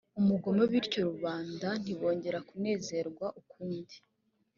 umugome bityo rubanda ntibongera kunezerwa ukundi